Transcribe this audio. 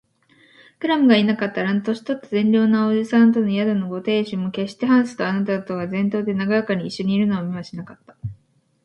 クラムがいなかったら、あの年とった善良な伯父さんの宿のご亭主も、けっしてハンスとあなたとが前庭でなごやかにいっしょにいるのを見はしなかった